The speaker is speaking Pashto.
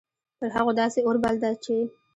پر هغو داسي اور بل ده چې